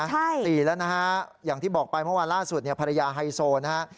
ใช่สี่แล้วนะฮะอย่างที่บอกไปเมื่อวานล่าสุดเนี่ยภรรยาไฮโซนะฮะ